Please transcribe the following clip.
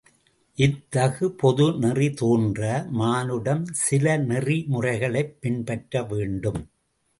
இத்தகு பொது நெறி தோன்ற மானுடம் சில நெறி முறைகளைப் பின்பற்றவேண்டும்.